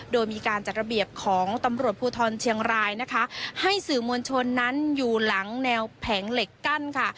โดยมีการจัดระเบียบของตำรวจภูทรเชียงรายนะคะให้สื่อมวลชนนั้นอยู่หลังแนวแผงเหล็กกั้นค่ะ